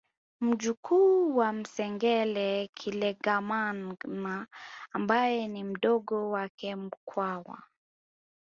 Mjukuu wa Msengele Kilekamagana ambaye ni mdogo wake Mkwawa